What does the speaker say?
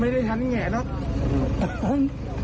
ไม่ได้ทันลิงงิแห่าเนาะ